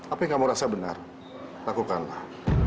apa yang kamu rasa benar lakukanlah